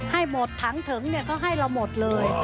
ให้หมดถังถึงเขาให้เราหมดเลย